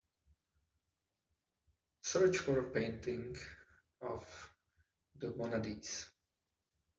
search for a painting of The Wannadies